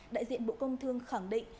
đại diện bộ công thương khẳng định